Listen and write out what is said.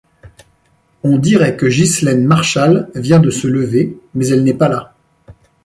On dirait que Ghislaine Marchal vient de se lever, mais elle n’est pas là.